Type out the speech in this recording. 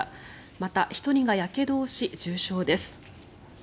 また、１人がやけどをし重傷です。